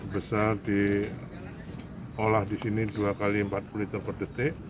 besar diolah di sini dua x empat puluh liter per detik